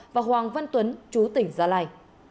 và hoàng văn tuấn chú tỉnh gia lai